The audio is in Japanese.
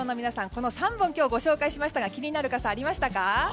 この３本をご紹介しましたが気になる傘、ありましたか？